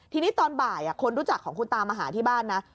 ทีนี้ตอนบ่ายคนรู้จักของคุณตามาหาที่บ้านนะ